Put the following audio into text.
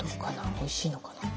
おいしいのかな。